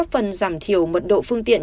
góp phần giảm thiểu mật độ phương tiện